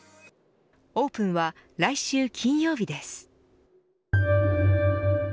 オープンは来週金曜日です。